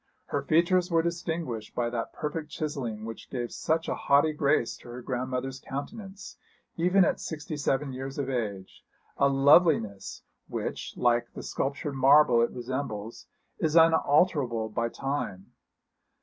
Her features were distinguished by that perfect chiselling which gave such a haughty grace to her grandmother's countenance, even at sixty seven years of age a loveliness which, like the sculptured marble it resembles, is unalterable by time.